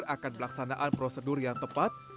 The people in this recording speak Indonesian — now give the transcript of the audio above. agar akan melaksanaan prosedur yang tepat